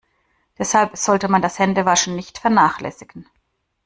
Deshalb sollte man das Händewaschen nicht vernachlässigen.